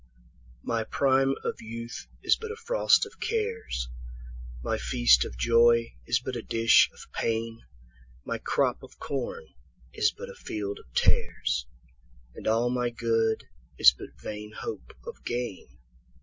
1My prime of youth is but a frost of cares,2My feast of joy is but a dish of pain,3My crop of corn is but a field of tares,4And all my good is but vain hope of gain.